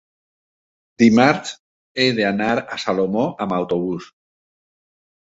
dimarts he d'anar a Salomó amb autobús.